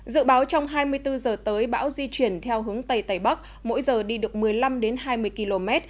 dự báo trong hai mươi bốn h tới bão di chuyển theo hướng tây tây bắc mỗi giờ đi được một mươi năm hai mươi km